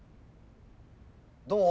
どう？